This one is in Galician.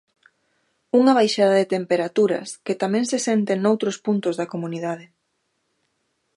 Unha baixada de temperaturas que tamén se sente noutros puntos da comunidade.